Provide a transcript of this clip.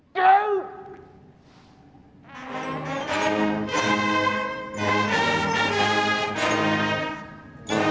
tuhan ku berkata